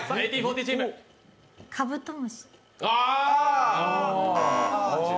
カブトムシ？